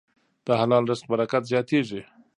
د حلال رزق برکت زیاتېږي.